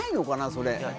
それ。